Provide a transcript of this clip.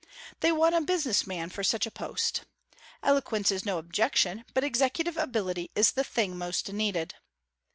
They want a business man for such a post. Eloquence is no objection, but executive ability is the thing most needed.